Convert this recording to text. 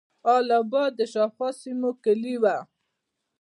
اله آباد د شاوخوا سیمو کیلي وه.